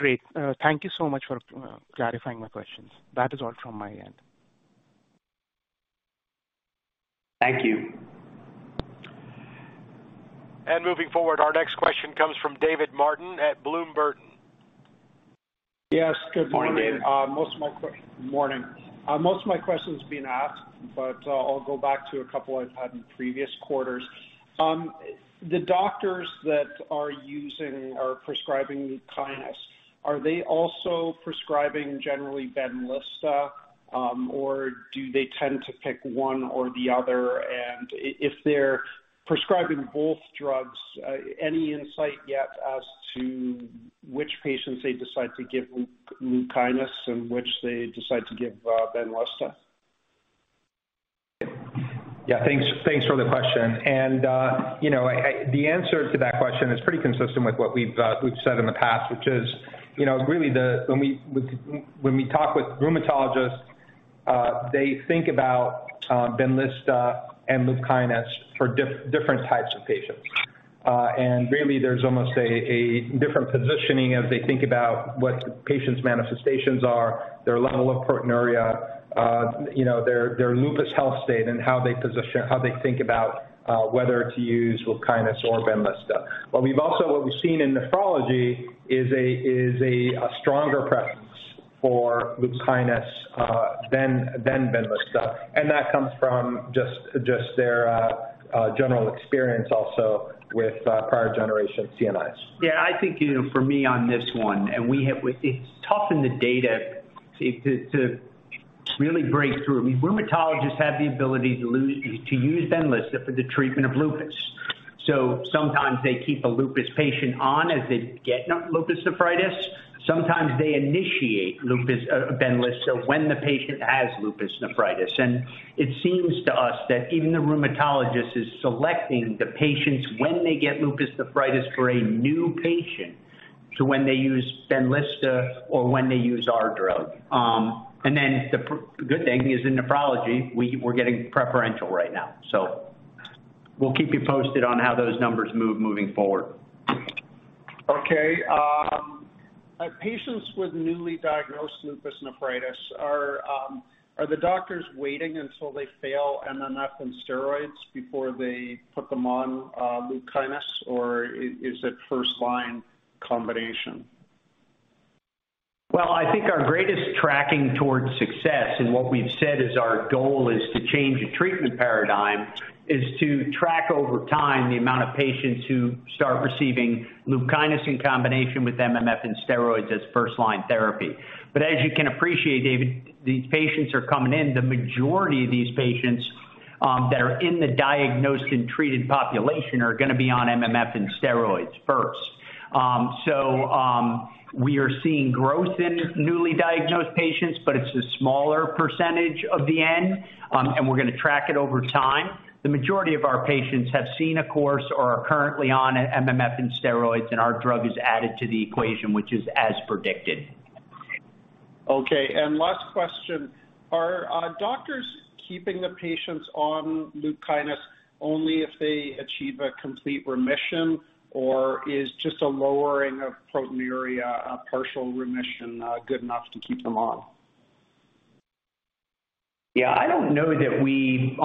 Speaker 11: Great. Thank you so much for clarifying my questions. That is all from my end.
Speaker 3: Thank you.
Speaker 1: Moving forward, our next question comes from David Martin at Bloom Burton.
Speaker 12: Yes. Good morning.
Speaker 3: Morning, David.
Speaker 12: Most of my question's been asked, but I'll go back to a couple I've had in previous quarters. The doctors that are using or prescribing LUPKYNIS, are they also prescribing generally Benlysta? Or do they tend to pick one or the other? If they're prescribing both drugs, any insight yet as to which patients they decide to give LUPKYNIS and which they decide to give Benlysta?
Speaker 3: Yeah. Thanks for the question. You know, the answer to that question is pretty consistent with what we've said in the past, which is, you know, really when we talk with rheumatologists, they think about Benlysta and LUPKYNIS for different types of patients. Really, there's almost a different positioning as they think about what the patient's manifestations are, their level of proteinuria, you know, their lupus health state and how they position, how they think about whether to use LUPKYNIS or Benlysta. What we've seen in nephrology is a stronger preference
Speaker 7: For LUPKYNIS than Benlysta. That comes from just their general experience also with prior generation CNIs.
Speaker 3: I think, you know, for me on this one. It's tough in the data to really break through. I mean, rheumatologists have the ability to use Benlysta for the treatment of lupus. Sometimes they keep a lupus patient on as they get lupus nephritis. Sometimes they initiate Benlysta when the patient has lupus nephritis. It seems to us that even the rheumatologist is selecting the patients when they get lupus nephritis for Benlysta or when they use our drug. The good thing is in nephrology, we're getting preferential right now. We'll keep you posted on how those numbers move moving forward.
Speaker 12: Okay. Are patients with newly diagnosed lupus nephritis, are the doctors waiting until they fail MMF and steroids before they put them on LUPKYNIS? Is it first line combination?
Speaker 3: Well, I think our greatest tracking towards success, and what we've said is our goal is to change the treatment paradigm, is to track over time the amount of patients who start receiving LUPKYNIS in combination with MMF and steroids as first line therapy. But as you can appreciate, David, these patients are coming in, the majority of these patients that are in the diagnosed and treated population are gonna be on MMF and steroids first. We are seeing growth in newly diagnosed patients, but it's a smaller percentage of the N, and we're gonna track it over time. The majority of our patients have seen a course or are currently on MMF and steroids, and our drug is added to the equation, which is as predicted.
Speaker 12: Okay. Last question, are doctors keeping the patients on LUPKYNIS only if they achieve a complete remission? Or is just a lowering of proteinuria, a partial remission, good enough to keep them on?
Speaker 3: Yeah, I don't know that we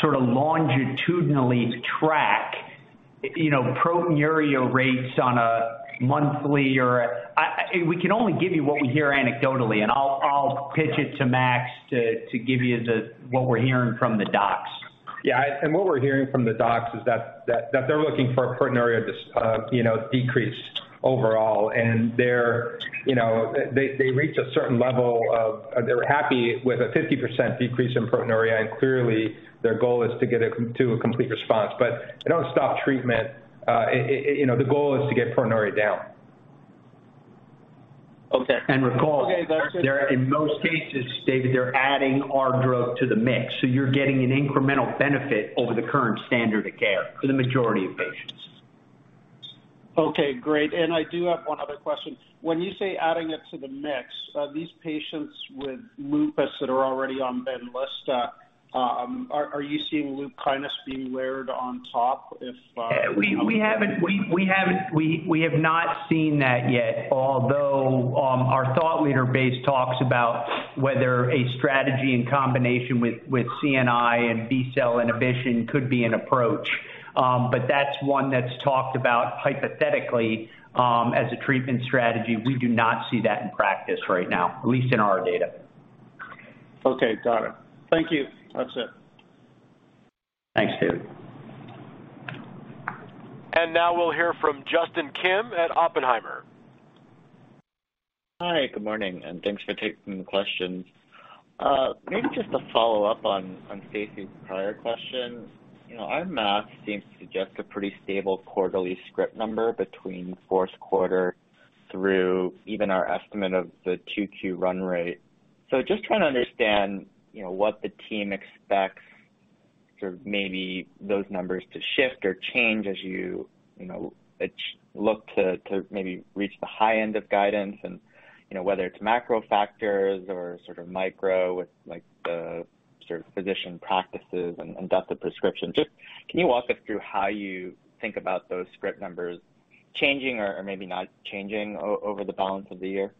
Speaker 3: sort of longitudinally track, you know, proteinuria rates on a monthly. We can only give you what we hear anecdotally, and I'll pitch it to Max to give you what we're hearing from the docs.
Speaker 7: Yeah. What we're hearing from the docs is that they're looking for a proteinuria decrease overall. They're happy with a 50% decrease in proteinuria, and clearly their goal is to get a complete response. They don't stop treatment. The goal is to get proteinuria down.
Speaker 12: Okay.
Speaker 3: Recall they're in most cases, David, they're adding our drug to the mix. You're getting an incremental benefit over the current standard of care for the majority of patients.
Speaker 12: Okay, great. I do have one other question. When you say adding it to the mix, these patients with lupus that are already on Benlysta, are you seeing LUPKYNIS being layered on top if
Speaker 3: We have not seen that yet, although our thought leader base talks about whether a strategy in combination with CNI and B-cell inhibition could be an approach. But that's one that's talked about hypothetically as a treatment strategy. We do not see that in practice right now, at least in our data.
Speaker 12: Okay, got it. Thank you. That's it.
Speaker 3: Thanks, David.
Speaker 1: Now we'll hear from Justin Kim at Oppenheimer.
Speaker 13: Hi, good morning, and thanks for taking the questions. Maybe just to follow up on Stacy's prior question. You know, our math seems to suggest a pretty stable quarterly script number between Q4 through even our estimate of the 2Q run rate. Just trying to understand, you know, what the team expects sort of maybe those numbers to shift or change as you know, it looks to maybe reach the high end of guidance and, you know, whether it's macro factors or sort of micro with like the sort of physician practices and doctor prescription. Just, can you walk us through how you think about those script numbers changing or maybe not changing over the balance of the year?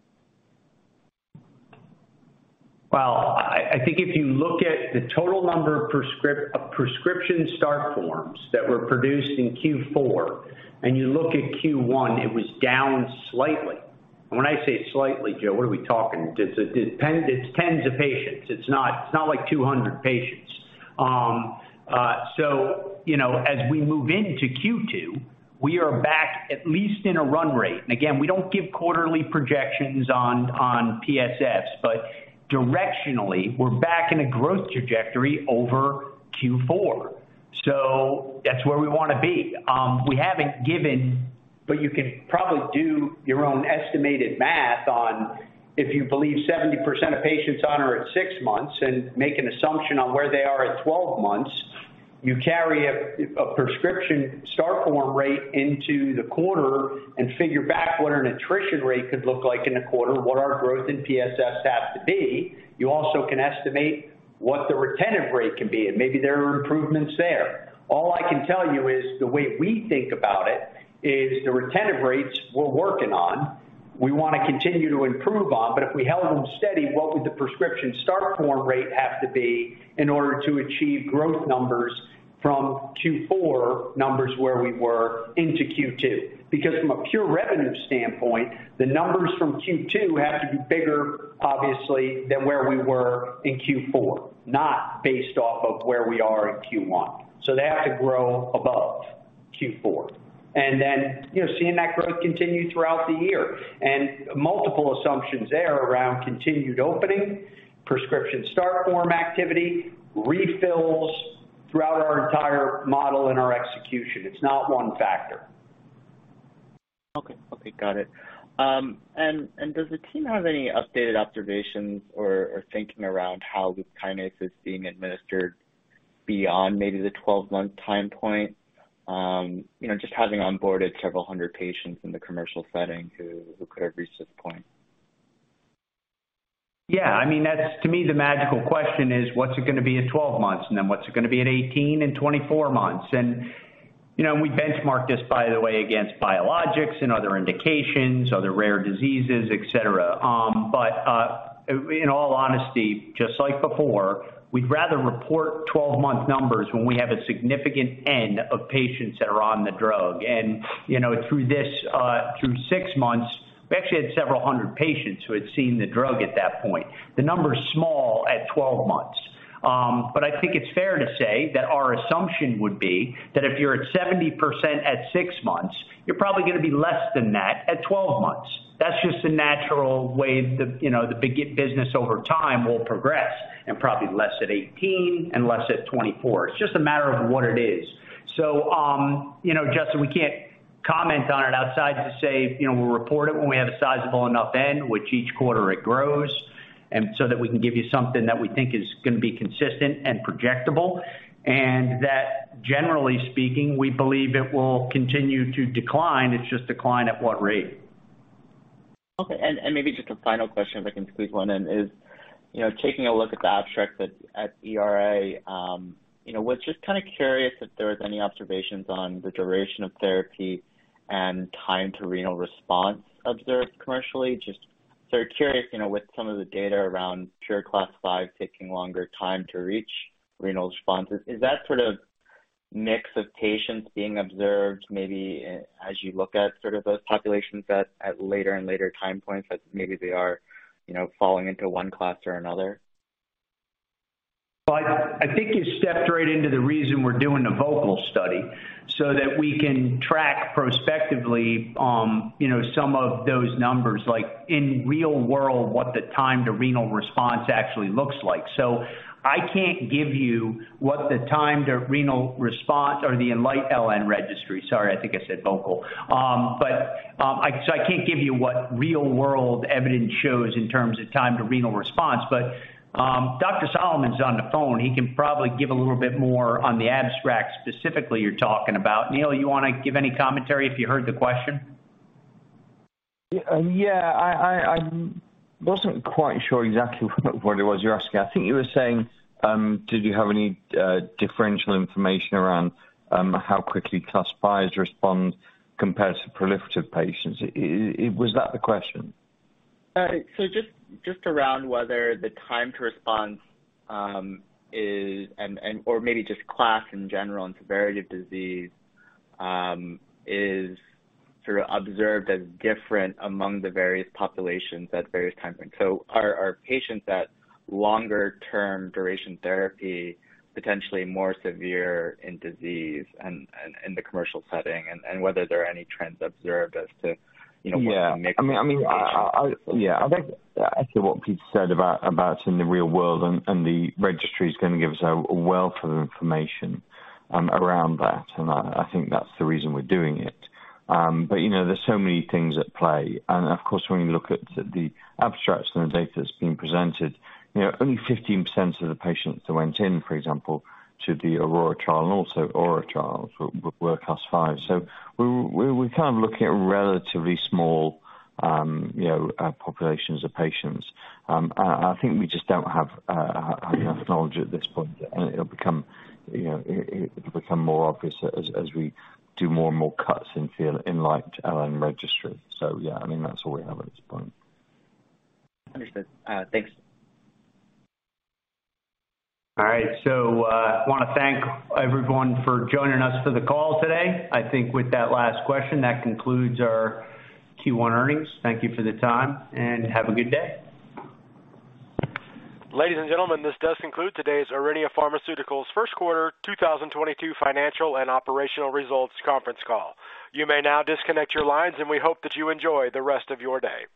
Speaker 3: Well, I think if you look at the total number of prescription start forms that were produced in Q4, and you look at Q1, it was down slightly. When I say slightly, Joe, what are we talking? It's tens of patients. It's not like 200 patients. You know, as we move into Q2, we are back at least in a run rate. Again, we don't give quarterly projections on PSFs, but directionally, we're back in a growth trajectory over Q4. That's where we wanna be. We haven't given, but you can probably do your own estimated math on if you believe 70% of patients on therapy are at six months and make an assumption on where they are at twelve months. You carry a prescription start form rate into the quarter and figure back what an attrition rate could look like in a quarter, what our growth in PSFs has to be. You also can estimate what the retention rate can be, and maybe there are improvements there. All I can tell you is the way we think about it is the retention rates we're working on. We wanna continue to improve on, but if we held them steady, what would the prescription start form rate have to be in order to achieve growth numbers from Q4 numbers where we were into Q2? Because from a pure revenue standpoint, the numbers from Q2 have to be bigger, obviously, than where we were in Q4, not based off of where we are in Q1. They have to grow above Q4. You know, seeing that growth continue throughout the year. Multiple assumptions there around continued opening, prescription start form activity, refills throughout our entire model and our execution. It's not one factor.
Speaker 13: Okay. Okay, got it. Does the team have any updated observations or thinking around how LUPKYNIS is being administered beyond maybe the 12-month time point? You know, just having onboarded several hundred patients in the commercial setting who could have reached this point.
Speaker 3: Yeah, I mean, that's, to me, the magical question is what's it gonna be at 12 months, and then what's it gonna be at 18 and 24 months? You know, we benchmarked this, by the way, against biologics and other indications, other rare diseases, et cetera. In all honesty, just like before, we'd rather report 12-month numbers when we have a significant N of patients that are on the drug. You know, through six months, we actually had several hundred patients who had seen the drug at that point. The number is small at 12 months. I think it's fair to say that our assumption would be that if you're at 70% at six months, you're probably gonna be less than that at 12 months. That's just the natural way the you know the big business over time will progress, and probably less at 18 and less at 24. It's just a matter of what it is. You know, Justin, we can't comment on it other than to say, you know, we'll report it when we have a sizable enough N, which each quarter it grows, and so that we can give you something that we think is gonna be consistent and projectable. That generally speaking, we believe it will continue to decline. It's just decline at what rate.
Speaker 13: Okay. Maybe just a final question, if I can squeeze one in, is, you know, taking a look at the abstract at ERA, you know, was just kinda curious if there was any observations on the duration of therapy and time to renal response observed commercially. Just sort of curious, you know, with some of the data around pure Class V taking longer time to reach renal responses. Is that sort of mix of patients being observed, maybe as you look at sort of those populations at later and later time points that maybe they are, you know, falling into one class or another?
Speaker 3: Well, I think you stepped right into the reason we're doing the VOCAL study so that we can track prospectively, you know, some of those numbers, like in real world, what the time to renal response actually looks like. I can't give you what the time to renal response or the ENLIGHT-LN Registry. Sorry, I think I said Vocal. But I can't give you what real world evidence shows in terms of time to renal response, but Dr. Solomons is on the phone. He can probably give a little bit more on the abstract specifically you're talking about. Neil, you wanna give any commentary if you heard the question?
Speaker 14: Yeah. I wasn't quite sure exactly what it was you're asking. I think you were saying, did you have any differential information around how quickly Class V's respond compared to proliferative patients. Was that the question?
Speaker 13: Just around whether the time to response is or maybe just class in general and severity of disease is sort of observed as different among the various populations at various time points. Are patients at longer-term duration therapy potentially more severe in disease and in the commercial setting, and whether there are any trends observed as to, you know
Speaker 14: Yeah.
Speaker 13: What the mix of patients.
Speaker 14: I mean. Yeah. I think actually what Pete said about in the real world and the registry is gonna give us a wealth of information around that, and I think that's the reason we're doing it. But, you know, there's so many things at play. Of course, when you look at the abstracts and the data that's being presented, you know, only 15% of the patients that went in, for example, to the AURORA trial and also AURA trials were Class V. We're kind of looking at relatively small populations of patients. I think we just don't have enough knowledge at this point, and it'll become more obvious as we do more and more cuts in ENLIGHT-LN Registry. Yeah, I mean, that's all we have at this point.
Speaker 13: Understood. Thanks.
Speaker 3: All right. I wanna thank everyone for joining us for the call today. I think with that last question, that concludes our Q1 earnings. Thank you for the time, and have a good day.
Speaker 1: Ladies and gentlemen, this does conclude today's Aurinia Pharmaceuticals Q1 2022 financial and operational results conference call. You may now disconnect your lines, and we hope that you enjoy the rest of your day.